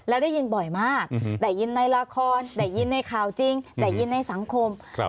แล้วได้ยินบ่อยมากได้ยินในละครได้ยินในข่าวจริงได้ยินในสังคม